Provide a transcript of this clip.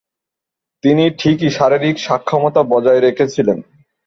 তিনি ঠিকই শারীরিক সক্ষমতা বজায় রেখেছিলেন।